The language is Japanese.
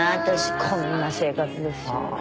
私こんな生活ですよ。